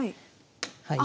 はい。